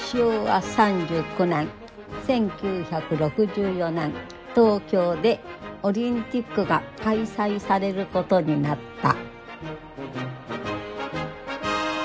昭和３９年１９６４年東京でオリンピックが開催されることになった。